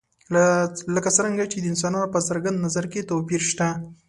لکه څرنګه چې د انسانانو په څرګند نظر کې توپیر شته.